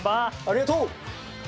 ありがとう！